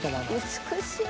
美しい！